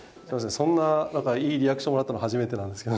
そんななんかいいリアクションもらったの初めてなんですけど。